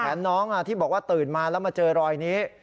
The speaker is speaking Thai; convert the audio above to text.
น้องที่บอกว่าตื่นมาแล้วมาเจอรอยนี้